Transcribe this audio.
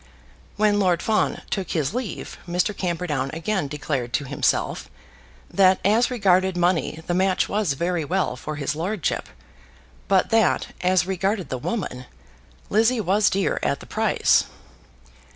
When Lord Fawn took his leave, Mr. Camperdown again declared to himself that as regarded money the match was very well for his lordship; but that, as regarded the woman, Lizzie was dear at the price.